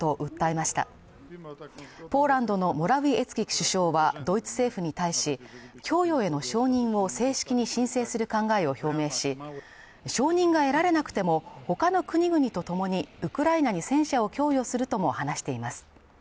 でもポーランドのモラウィエツキ首相はドイツ政府に対し供与への承認を正式に申請する考えを表明し承認が得られなくてもほかの国々とともにウクライナに戦車を供与するとも話しています